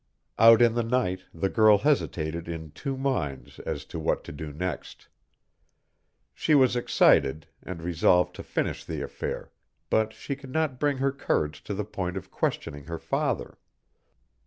Out in the night the girl hesitated in two minds as to what to do next. She was excited, and resolved to finish the affair, but she could not bring her courage to the point of questioning her father.